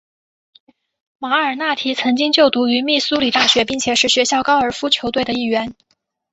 马尔纳提曾经就读于密苏里大学并且是学校高尔夫球队的一员。